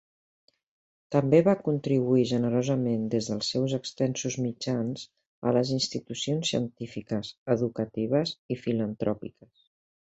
També va contribuir generosament des dels seus extensos mitjans a les institucions científiques, educatives i filantròpiques.